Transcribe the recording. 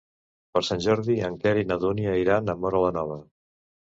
Per Sant Jordi en Quer i na Dúnia iran a Móra la Nova.